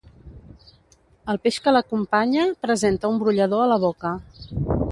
El peix que l'acompanya presenta un brollador a la boca.